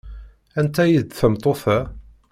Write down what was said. Anta ay d tameṭṭut-a?